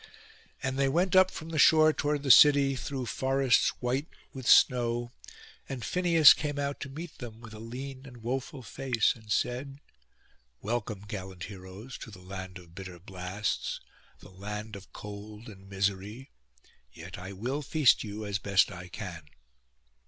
And they went up from the shore toward the city, through forests white with snow; and Phineus came out to meet them with a lean and woful face, and said, 'Welcome, gallant heroes, to the land of bitter blasts, the land of cold and misery; yet I will feast you as best I can.